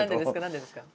何でですか？